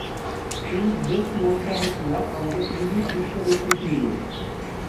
He is best known for his work on the English Restoration period.